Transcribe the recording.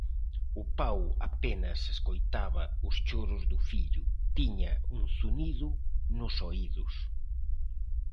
O pau apenas escoitaba os choros do fillo, tiña un zunido nos oídos.